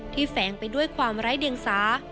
แฝงไปด้วยความไร้เดียงสา